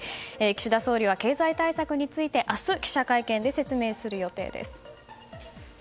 岸田総理は経済対策について明日記者会見で説明する予定です。